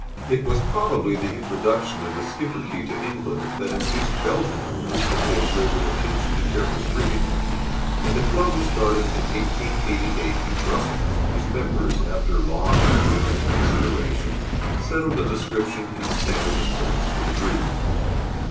It was probably the introduction of the Schipperke to England that induced Belgian owners to pay greater attention to careful breeding, and a club was started in 1888 in Brussels, whose members, after "long and earnest consideration," settled a description and standard of points for the breed.